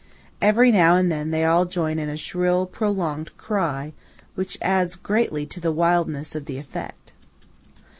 Every now and then they all join in a shrill, prolonged cry, which adds greatly to the wildness of the effect.